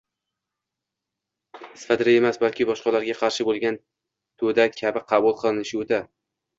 sifatida emas, balki boshqalarga qarshi bo‘lgan to‘da kabi qabul qilinishi o‘ta